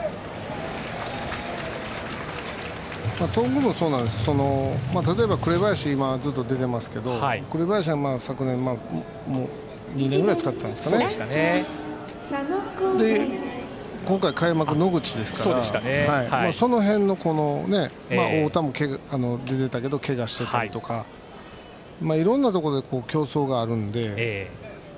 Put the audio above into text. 頓宮もそうなんですけど例えば紅林もずっと出てますけど紅林は昨年も使っていましたけど今回、開幕は野口でしたからその辺、太田も出てたけどけがをしていたりとかいろんなところで競争があるので。